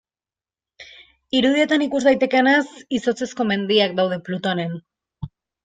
Irudietan ikus daitekeenez, izotzezko mendiak daude Plutonen.